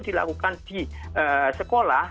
dilakukan di sekolah